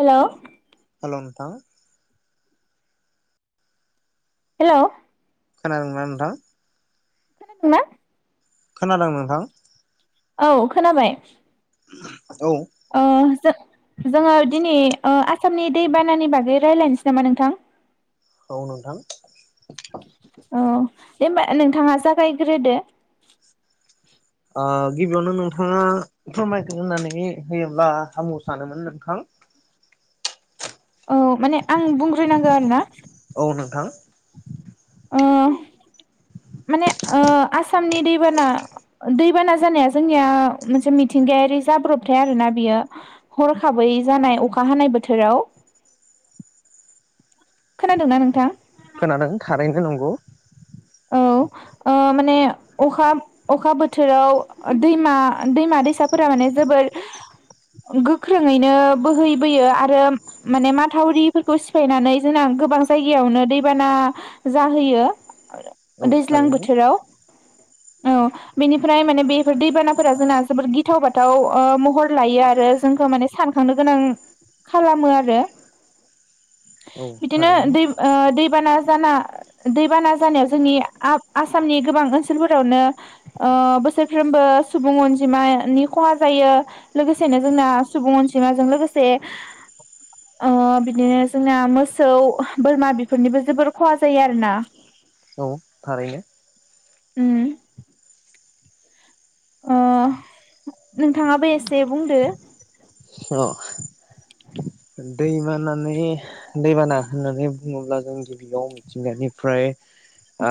हेल' थां [unintelligible] हेल' खोनादोंना नोंथां खोनादोंना खोनादों नोंथां औ खोनाबाय [inaudible] औ जो जोङो दिनै ओ आसामनि दैबानानि बागै रायज्लायनोसै नामा नोंथां औ नोंथां औ दे होमबा नोंथाङा जागायग्रोदो ओ गिबियावनो नोंथाङा फोरमायग्रोनानै होयोब्ला हामगौ सानोमोन नोंथां। औ माने आं बुंग्रोनांगौ आरोना। औ नोंथां ओ माने ओ आसामनि दैबाना दैबाना जानाया जोंनिया मोनसे मिथिंगायारि जाब्रबथाय आरोना बियो हरखाबै जानाय अखा हानाय बोथोराव खोनादोंना नोंथां? खोनादों थारैनो नंगौ। गौ औ ओ माने अखा अखा बोथोराव दैमा दैमा दैसाफोरा माने जोबोर गोख्रोङैनो बोहैबोयो आरो माने माथावरिफोरखौ सिफायनानै जोंना गोबां जायगायावनो दैबाना जाहोयो। औ दैज्लां थारैनो बोथोराव औ बेनिफ्राय माने बेफोर दैबानाफोरा जोंना जोबोद गिथाव बाथाव ओ महर लायो आरो जोंखौ माने सानखांनो गोनां खालामो आरो। औ बिदिनो थारैनो दै ओ दैबाना जाना दैबाना जानायाव जोंनि आ-आसामनि गोबां ओनसोलफोरावनो बोसोरफ्रोमबो सुबुं अनजिमानि खहा जायो। लोगोसेनो जोंना सुबुं अन जिमाजों लोगोसे ओ बिदिनो जोंना मोसौ बोरमा बेफोरनिबो जोबोर खहा जायो आरोना औ थारैनो उम। ओ नोंथाङाबो एसे बुंदो। अ दैमानानै दैबाना होननानै बुङोब्ला जों गिबियाव मिथिंगानिफ्राय ओ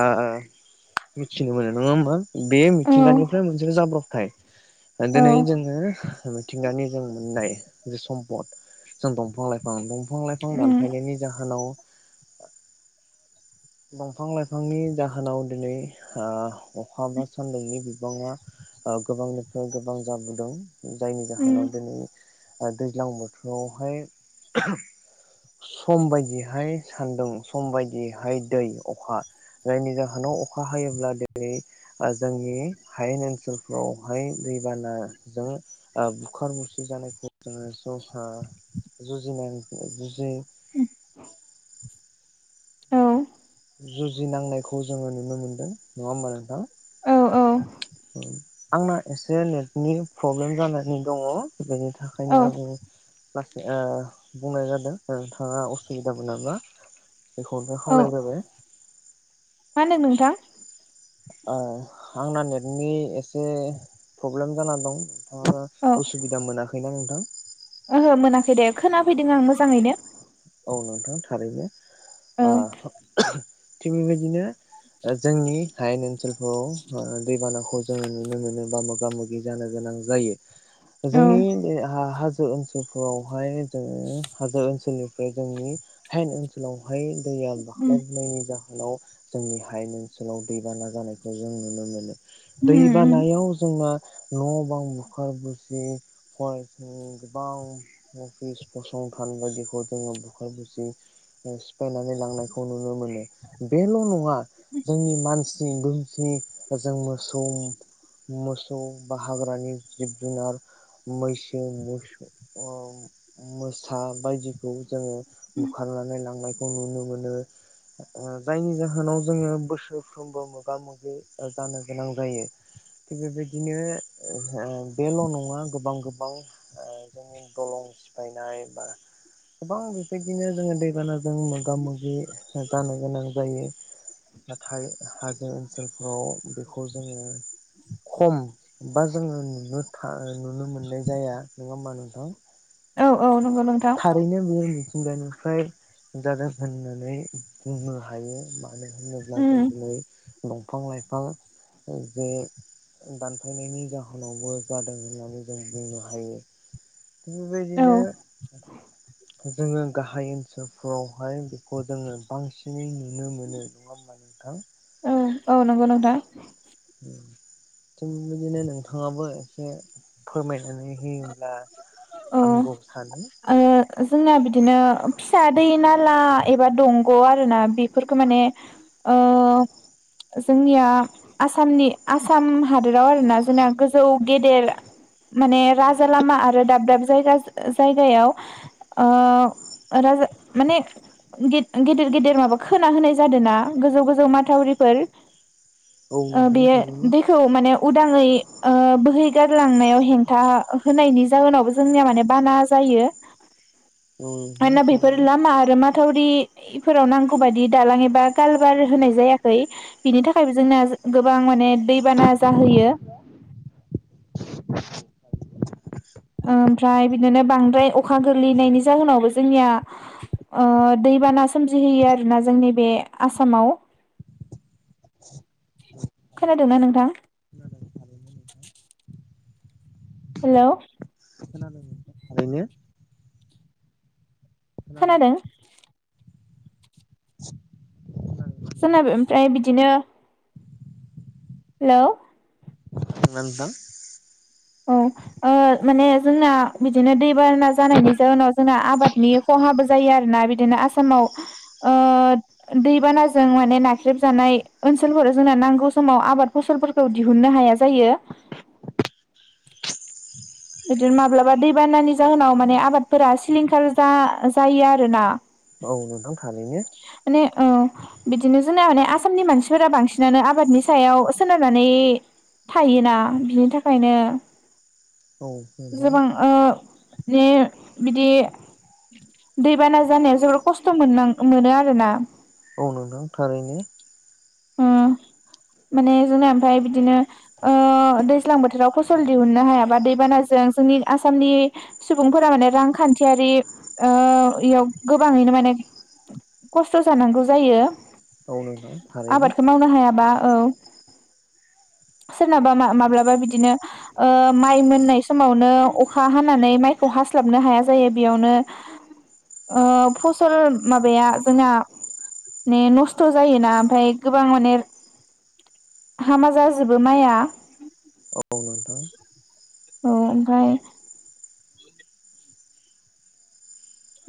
मिथिनो मोनो नङा होमबा? बे औ मिथिंगानिफ्राय मोनसे जाब्र' थाय ओ औ दोनै जों मिथिंगानि जों मोननाय जे सम्पद जों दंफां लाइफां दंफ दंफां लाइफां उम दानफायनायनि जाहोनाव दंफां लाइफांनि जाहोनाव दिनै ओ अखा बा सान्दुंनि बिबाङा ओ गोबांनिफ्राय गोबां जाबोदों। जायनि उम जाहोनाव दिनै ओ दैज्लां बोथोरावहाय सम बायदिहाय सान्दों सम बायदियैहाय दै अखा जायनि जाहोनाव अखा हायोब्ला ओ दै जोंनि हायेन ओनसोलफोरावहाय दैबानाजों ओ बुखार बुसि जानायखौ जोङो जोंहा जुजिनानै जुजियो औ। जुजिनांनायखौ जोङो नुनो मोनदों नङा होमबा नोंथां? औ औ। आंना एसे नेटनि प्रब्लेम जानानै दङ' बेनि औ थाखायनो आङो लासै बुंनाय जादों नोंथाङा असुबिदा मोननाबा बेखौनो औ खावलायग्रोबाय मा होनदों नोंथां? ओ आंना नेटनि एसे प्रब्लेम जाना दं। अ औ असुबिदा मोना नोंथां ओहो मोनाखै दे खोना फैदों आं मोजाङैनो। औ नोंथां थारैनो। औ आह थिग बेबायदिनो जोंनि हायेन ओनसोलफोराव दैबानाखौ जोङो नुनो मोनोबा मोगा मोगि जानो गोनां जायो। औ जोंनि हा हाजो हाजो ओनसोलफोरावहाय जोङो हाजो ओनसोलनि जोंनि हाइेन ओनसोलाव बाहाय दैया उम दाख्लायबोननायनि जा बेव जोंनि हायेन ओनसोलाव दैबाना जानायखौ जों नुनो मोनो। दै उम उम बानायाव जोंना न' बां बुखार बुसि फरायसालि गोबां अफिस फसंथान बायदिखौ जोङो बुखाय बुसि सिफायनानै लांनायखौ नुनो मोनो बेल' नङा जोंनि मानसि बोमसि जों मोसौ मोसौ बा हाग्रानि जिब जुनार मैसो मोस मोसा बायदि जोङो बुखारनानै लांनायखौ नुनो मोनो जायनि जाहोनाव जोङो बोसोरफ्रोमबो मोगा मोगि जानो गोनां जायो थिग बेबायदिनो बेल' नङा गोबां गोबां जोंनि दलं सिफायनाय बा गोबां बेबायदिनो जोङो दैबानाजों मोगा मोगि जानो गोनां जायो नाथाय हाजो ओनसोलफ्राव बेखौ जोङो खम बा जोङो नुनो नुनो मोननाय जाया नङा होमबा नोंथां। औ औ नंगौ नोंथां। सिगांनिफ्राय जादों होननानै बुंनो हायो मा मानो होनोब्ला जों उम दिनै दंफां लाइफां जे दानफायनायनि जाहोनावबो जादों होननानै जों बुंनो हायो। थिग औ बेबायदिनो जोङो गाहाय ओनसोलफोरावहाय बेखौ जोङो बांसिनै नु नुनो मोनो नङा होमब्ला नोंथां। औ औ नंगौ नोंथां। थिग बेबायदिनो नोंथाङाबो एसे फोरमायनानै होयोब्ला औ हामगौसानो। ओ जोंना बिदिनो फिसा दै नाला एबा दंग' आरोना बेफोरखौ माने ओ जोंनिया आसामनि आसाम हादोराव आरोना जोंना गोजौ गेदेर माने राजा लामा आरो दाब दाब जायगा जायगायाव ओ राजा माने गि गिद गिदिर गिदिर माबा खोना होनाय जादों ना गोजौ गोजौ माथावरिफोर औ ओ नोंथां बेयो थारैनो दैखौ माने उदाङै बोहै गार लांनायाव हेंथा होनायनि जाहोनावबो जोंनिया माने बाना जायो। औ नोंथां मानोना बेफोर थारैनो लामा आरो माथावरि इफोराव नांगौ बादि दालां एबा कालबार होनाय जायाखै बिनि थाखायबो जोंना गो गोबां माने दैबाना जाहोयो। ओमफ्राय बिदिनो बांद्राय अखा गोग्लैनायनि जाहोनावबो जोंनिया ओ दैबाना सोमजिहोयो आरोना जोंनि बे आसामाव खोनादोंना नोंथां? हेलौ। खोनादों [unintelligible] खोनादों। जोंनाबो ओमफ्राय बिदिनो हेलौ। नोंथां औ ओ माने जोंना बिदिनो दैबाना जानायनि जाहोनाव जोंना आबादनि खहाबो जायो आरोना बिदिनो आसामाव ओ दैबानाजों माने नाख्रेबजानाय ओनसोलफोराव जोंना नांगौ समाव आबाद फसलफोरखौ दिहुनन्नो हाया जायो। बिदिनो माब्लाबा दैबानानि जाहोनाव माने आबादफोरा सिलिंखार जायो आरोना। औ नोंथां थारैनो। माने औ बिदिनो जोंना माने आसामनि मानसिफोरा बांसिनानो आबादनि सायाव सोनारनानै थायोना बिनि थाखायनो खोनादों जोबां ओ माने बिदि दैबाना जानायाव जोबोद खस्थ' मोन मोनो आरोना। औ नोंथां थारैनो। ओ माने जोंना ओमफ्राय बिदिनो ओ दैज्लां बोथोराव फसल दिहुननो हायाबा दैबानाजों जोंनि आसामनि सुबुंफोरा माने रांखान्थियारियाव ओ गोबाङैनो माने खस्थ' जानांगौ जायो। नंगौ थारैनो आबादखौ मावनो हायाबा औ सोरनाबा मा माब्लाबा बिदिनो ओ माइ मोननाय समावनो अखा हानानै माइखौ हास्लाबनो हाया जायो बेयावनो ओ फसल माबाया जोंना नस्थ' जायोना ओमफफ्राय गोबां माने हामा जाजोबो माइया। औ नोंथां औ ओमफ्राय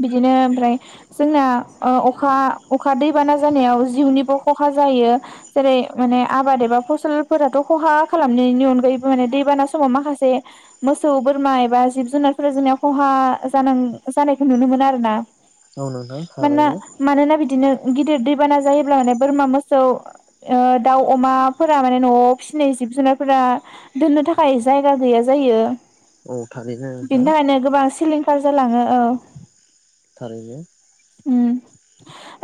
बिदिनो ओमफ्राय जोंना ओ अखा अखा दैबाना जानायाव जिउनिबो खहा जायो जेरै माने आबाद एबा फसलफोराथ' खहा खालामनायनि अनगायैबो माने दैबाना समाव माखासे मोसौ बोरमा एबा जिब जुनारफोरा जोंनिया खहा जां जानायखौ नुनो मोनो आरो ना औ नोंथां मानोना थारैनो मानोना बिदिनो गिदिर दैबाना जायोब्ला माने बोरमा मोसौ ओ दाउ अमाफोरा माने न'आव फिसिनाय जिब जुनारफोरा दोननो थाखाय जायगा गैया जायो। औ थारैनो बिनि नोंथां थाखायनो गोबां सिलिंखार जालाङो ओ थारैनो उम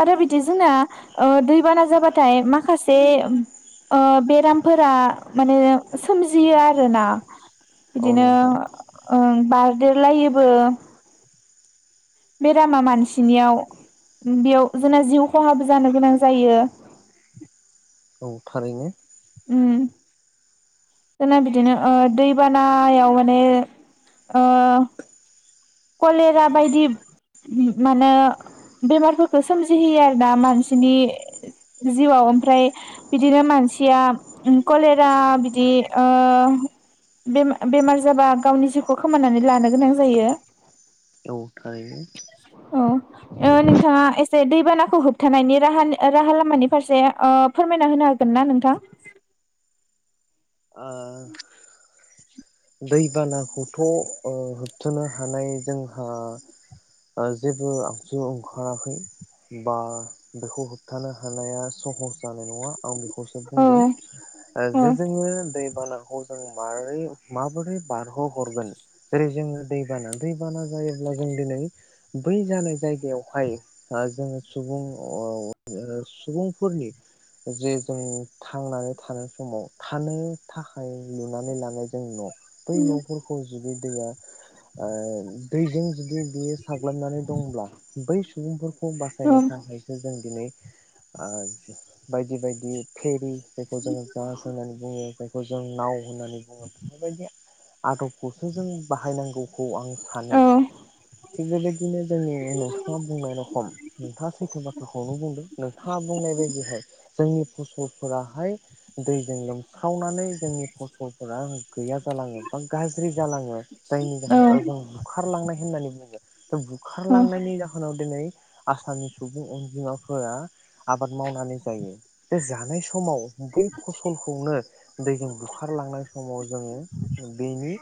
आरो बिदि जोंना ओ दैबाना जाबाथाय माखासे ओ बेरामफोरा माने सोमजियो आरोना औ बिदिनो नोंथां ओं बारदेरलायोबो बेरामा मानसिनियाव बेयाव जोंना जिउ खहाबो जानो गोनां जायो औ थारैनो उम जोना बिदिनो दैबानायाव माने कलेरा बायदि मा होनो बेमारफोरखौ सोमजिहोयो आरोना मानसिनि जिउआव ओमफ्राय बिदिनो मानसिया कलेरा बिदि बेमार जाबा गावनि जिउखौ खोमानानै लानो गोनां जायो औ थारैनो औ नोंथाङा एसे दैबानाखौ होबथानायनि राहानि राहा लामानि फारसे फोरमायना होनो हागोन ना नोंथां ओ दैबानाखौथ' होबथानो हानाय जोंहा जेबो आगजु ओंखाराखै बा बेखौ होबथानो हानाया सहस जानाय नङा आं बेखौ बेखौसो औ बुंगोन औ जे जोङो दै नोंथांमोना हजों मारै माबोरै बारहोहरगोन जेरै जोङो दैबाना दैबाना जायोब्ला जों दिनै बै जानाय जायगायावहाय जोङो सुबुं सुबुंफोरनि जे जों थांनानै थानाय समाव थानो थाखाय लुनानै लानाय जों न' बै न'फोरखौ जुदि दैया दैजों जु जुदि बियो साग्लोबनानै दंब्ला बै सुबुंफोर खौ बासायनो औ थाखायसो जों दिनै ओ बायदि बायदि फेरि बेखौ जों [unintelligible] बुंङो खौ जों [unintelligible] होननानै बुङो आदबखौसो जों बाहायनांगौखौ आं सानो औ थिग बेबायदिनो बिदिनो जोंनि नोंथाङा बुंनाय रखम नोंथाङा सैथ' बाथ्रा बेखौनो बुंदों नोंथाङा बुंनाय बायदिहाय जोंनि फसलफोराहाय दैजों लोमसावनानै जोंनि फसलफोरा गैया जालाङो बा गाज्रि जालाङो जायनि जाहोनाव ओजों बुखारलांनाय होननानै बुङो दा औ बुखारलांनायनि जाहोनाव दिनै आसामनि सुबुं अनजिमाफोरा आबाद मावनानै जायो दा जानाय समाव बै फसलखौनो दैजों बुखारलांनाय समाव जोङो बेनि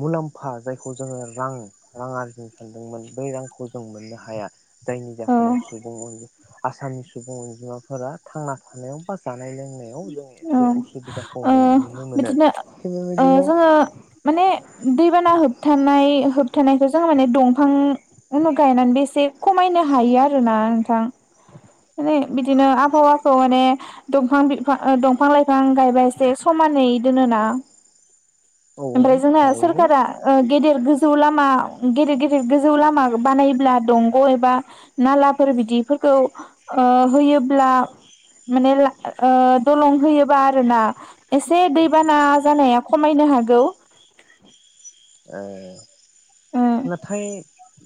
मुलाम्फा जायखौ जोङो रां रां आरजिनो सानदोंमोन बै रांखौ जों मोननो हाया जायनि जाहोनाव औ सुबुं अनजि आसामनि सुबुं अनजिमाफोरा थांना थानायाव बा जानायाव जानाय लोंनायाव जों औ एसे उसुबिदाखौ ओ नुनो मोनो बिदिनो ओ बेबायदिनो जोङो माने दैबाना होबथानाय होबथानायखौ जों माने दंफां गायनानैबो एसे खमायनो हायो आरोना नोंथां माने बिदिनो आबहावाखौ माने दंफां बि दंफां लाइफां गायबासो समानै दोनोना औ ओमफ्राय जोंना थारैनो सोरखारा गेदेर गो [inaudible] गोजौ लामा गेदेर गेदेर गोजौ लामा बानायोब्ला दंग एबा नालाफोर बिदिफोरखौ अ होयोब्ला माने ओ दलं होयोबा आरोना एसे दैबाना जानाया खमायनो हागौ ओ ओ नाथाय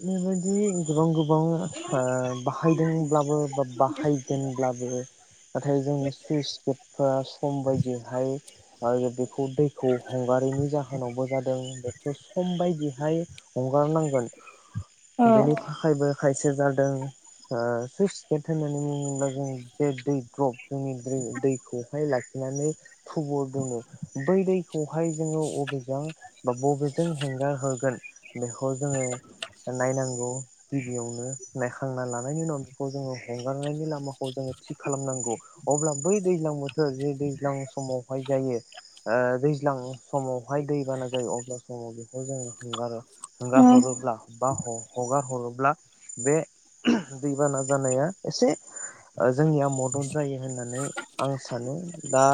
बेबायदि गोबां गुबुं गोबां ओ बाहायदोंब्लाबो बा बाहायगोनब्लाबो नाथाय जोंनि सुइस गेटफ सम बायदियैहाय आरो बेखौ दैखौ हंगारैनि जाहोनावबो जादों बेखौ सम बायदिहाय हगार नांगोन औ बेनिखायनो खायसे जादों ओ सुइस गेट होननानै बुङोब्ला जों जे दै द्रप जोंनि दै दैखौ लाखिनानै थुबुर दोनो बै दैखौहाय जोंङो अबेजों बबेजों हेंगार हरगोन बिखौ जोंङो नायनांगौ गिबियावनो नायखांना लानायनि उनावनो बिखौ जोङो हंगारनायनि लामाखौ थि खालामनांगौ अब्ला बै दैज्लां बोथोर जे दैज्लां समावहाय जायो ओ दैज्लां समावहाय दैबाना जायो अब्ला समाव बेखौ जोङो हंगारो औ हांगारहरोब्ला बा हगारहरोब ब्ला बे दैबाना जानाया एसे ओ जोंनिया मदद जायो होननानै आं सानो दा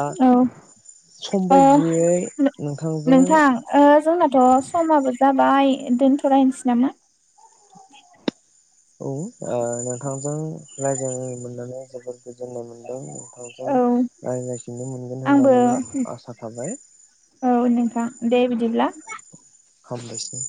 सम ओ बायदियै नोंथांजों थ समाबो जाबाय दोनथलायनोसै नामा औ-ओ नोंथांजों रायज्लायनो मोननानै जोबोर गोजोननाय मोन्दों औ रायज्लायफिननो मोनगोन आंबो होननानै आसा थाबाय औ नोंथां दे बिदिब्ला हामबायसै